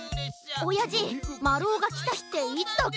おやじまるおがきたひっていつだっけ？